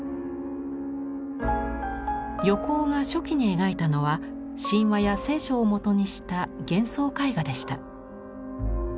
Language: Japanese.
横尾が初期に描いたのは神話や聖書をもとにした幻想絵画でした。